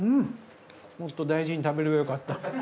もっと大事に食べればよかった。